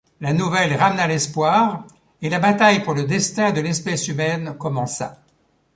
La nouvelle ramena l'espoir, et la bataille pour le destin de l'espèce humaine commença...